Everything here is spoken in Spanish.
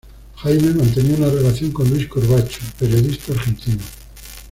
Jaime, mantenía una relación con Luis Corbacho, periodista argentino"".